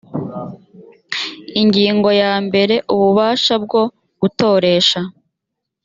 ingingo ya mbere ububasha bwo gutoresha